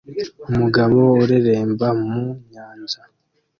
Umugabo ureremba mu nyanja